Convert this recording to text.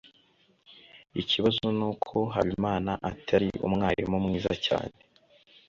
ikibazo nuko habimana atari umwarimu mwiza cyane